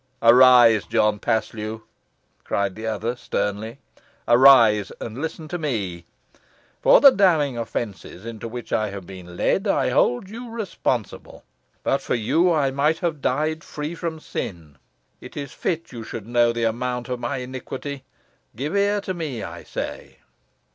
"Arise, John Paslew!" cried the other, sternly. "Arise, and listen to me. For the damning offences into which I have been led, I hold you responsible. But for you I might have died free from sin. It is fit you should know the amount of my iniquity. Give ear to me, I say.